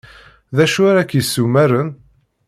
D acu ara k-yessumaren?